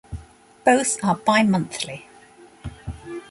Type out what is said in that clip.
Both are bi-monthly.